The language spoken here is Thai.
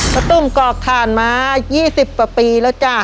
ประตุ๋มกรอกถ่านมา๒๐ประปีแล้วจ้ะ